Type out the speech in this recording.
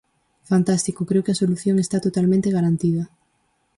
Fantástico, creo que a solución está totalmente garantida.